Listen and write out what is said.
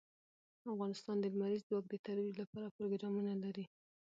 افغانستان د لمریز ځواک د ترویج لپاره پروګرامونه لري.